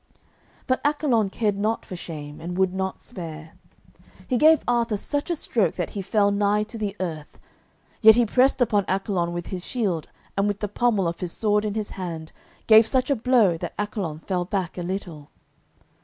But Accolon cared not for shame, and would not spare. He gave Arthur such a stroke that he fell nigh to the earth; yet he pressed upon Accolon with his shield, and with the pommel of his sword in his hand gave such a blow that Accolon fell back a little.